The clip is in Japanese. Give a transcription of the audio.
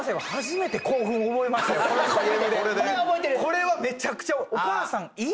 これはめちゃくちゃ。